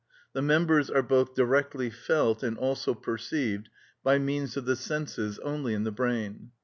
The members are both directly felt and also perceived by means of the senses only in the brain.